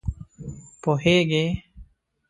پوهېږې!